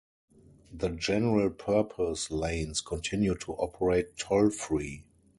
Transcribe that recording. The general purpose lanes continue to operate toll-free.